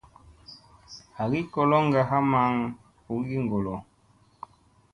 Hagi koloŋga haa maŋ ɓugigolo.